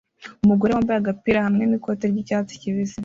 Umugore wambaye agapira hamwe n'ikote ry'icyatsi kibisi